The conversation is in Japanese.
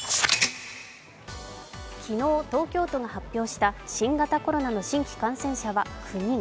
昨日東京都が発表した新型コロナの新規感染者は９人。